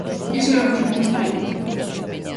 Iso é o que supón esta lei.